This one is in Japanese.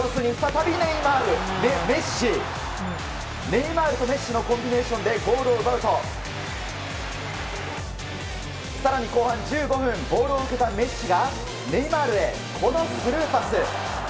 ネイマールとメッシのコンビネーションでゴールを奪うと更に後半１５分ボールを受けたメッシがネイマールへ、このスルーパス。